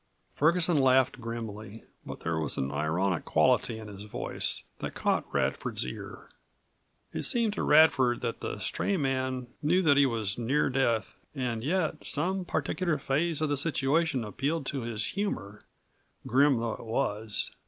Ferguson laughed grimly, but there was an ironic quality in his voice that caught Radford's ear. It seemed to Radford that the stray man knew that he was near death, and yet some particular phase of the situation appealed to his humor grim though it was.